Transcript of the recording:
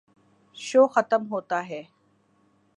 شو ختم ہوتا ہے۔